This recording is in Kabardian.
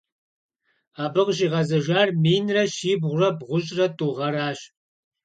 Абы къыщигъэзэжар минрэ щибгъурэ бгъущӀрэ тӀу гъэращ.